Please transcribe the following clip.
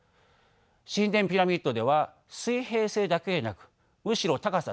神殿ピラミッドでは水平性だけでなくむしろ高さ